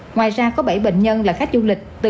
ngoài ra có bảy bệnh nhân là khách du lịch